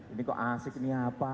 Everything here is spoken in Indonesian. ini kok asik ini apa